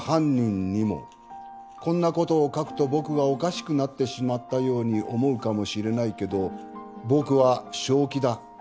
「こんなことを書くと僕がおかしくなってしまったように思うかもしれないけど僕は正気だ」